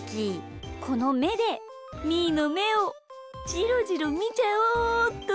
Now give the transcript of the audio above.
このめでみーのめをじろじろみちゃおうっと。